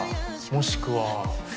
もしくは